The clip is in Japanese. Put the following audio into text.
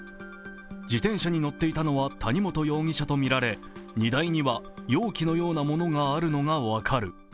自転車に乗っていたのは谷本容疑者とみられ荷台には容器のようなものがあるのが分かる。